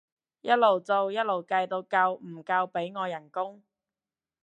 一路做一路計到夠唔夠俾我人工